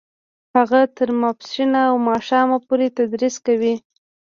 هغه تر ماسپښینه او ماښامه پورې تدریس کوي